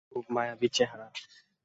খুব মায়াবী চেহারা।